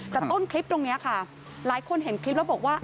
แต่ต้นคลิปตรงนี้ค่ะหลายคนเห็นคลิปแล้วบอกว่า